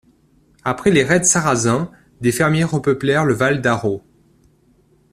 Après les raids Sarrasins, des fermiers repeuplèrent le Vall d’Aro.